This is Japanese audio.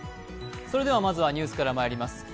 それではまずニュースからまいります。